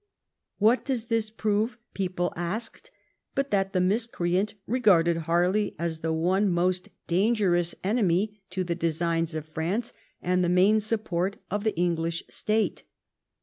What does this prove, people asked, but that the miscreant regarded Harley as the one most dangerous enemy to the designs of France and the main support of the English, state?